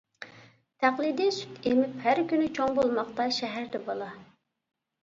تەقلىدىي سۈت ئېمىپ ھەر كۈنى، چوڭ بولماقتا شەھەردە بالا.